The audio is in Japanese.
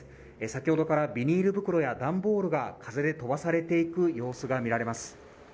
先程からビニール袋や段ボールが風で飛ばされていく様子が見られます